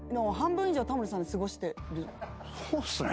そうっすね。